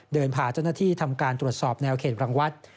เดินผ่าจัทรหน้าที่ทำการตรวจสอบแนวเขตบรรงวัติ